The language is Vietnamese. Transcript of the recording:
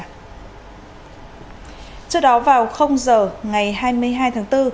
trước đó vào giờ ngày hai mươi hai tháng bốn